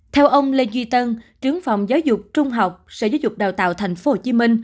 theo ông lê duy tân trưởng phòng giáo dục trung học sở giáo dục đào tạo tp hcm